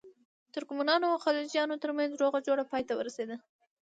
ترکمنانو او خلجیانو ترمنځ روغه جوړه پای ته ورسېده.